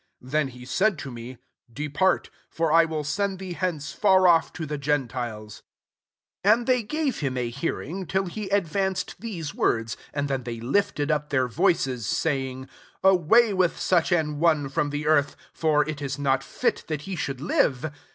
21 Then he said to me, * Depart ; for I will send thee hence far off to the gentiles.' ^' 22 Ahd they gave him a hearing till he 'advanced these words, and iAen they lifted up their voices, saying, « Away with such an one from the earth: for it is not fit that he should live."